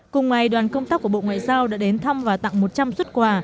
cùng ngày đoàn công tác của bộ ngoại giao đã đến thăm và tặng một trăm linh xuất quà